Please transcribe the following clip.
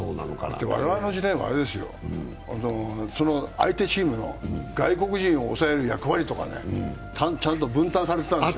我々の時代は、相手チームの外国人を押さえる役割とかちゃんと分担されていたんですよ。